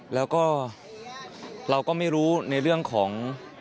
แล้วก็เราก็ไม่รู้ในเรื่องของ